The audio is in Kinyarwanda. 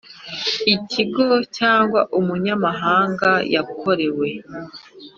Ikigo Cyangwa umunyamahanga yakorewe